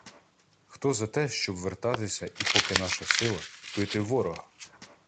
— Хто за те, щоб вертатися і — поки наша сила — бити ворога?!